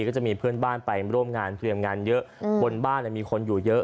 ก็จะมีเพื่อนบ้านไปร่วมงานเตรียมงานเยอะบนบ้านมีคนอยู่เยอะ